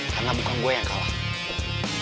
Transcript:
karena bukan gue yang kalah tapi lo